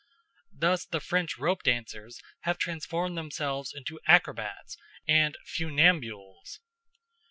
Thus the French rope dancers have transformed themselves into acrobates and funambules.